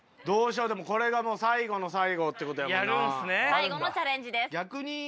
どうしようでもこれがもう最後の最後っていうことやもんな。